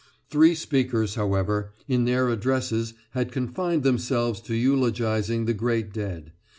Three speakers, however, in their addresses had confined themselves to eulogising the great dead.